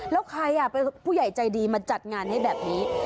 แล้วใครเป็นผู้ใหญ่ใจดีมาจัดงานให้แบบนี้